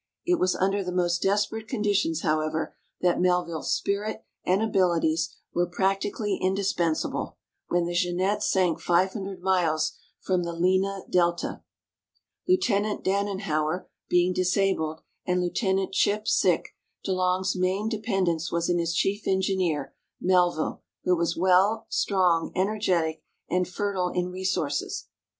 It was under the most desperate con ditions, however, that Melville's spirit and abilities were })racti GEORGE W. MELVILLE 189 cally indispensable — when the /mnneWe sank fivehnii(h c<l milrs from the liena Delta. Lieutenant Danenhower being disabled and Lieutenant C'lii|i|) sick, ]^e Long's main dependence was in his chief engineer, Mel ville, who was well, strong, energetic, and fertile in resources.